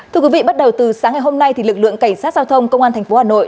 thưa quý vị bắt đầu từ sáng ngày hôm nay lực lượng cảnh sát giao thông công an tp hà nội